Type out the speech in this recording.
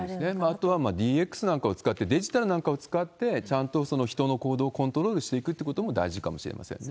あとはＤＸなんかを使って、デジタルなんかを使って、ちゃんと人の行動をコントロールしていくっていうことも大事なのかもしれませんね。